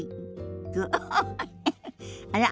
あら？